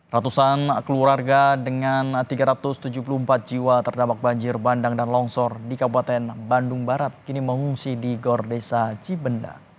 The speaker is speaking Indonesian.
ratusan keluarga dengan tiga ratus tujuh puluh empat jiwa terdampak banjir bandang dan longsor di kabupaten bandung barat kini mengungsi di gor desa cibenda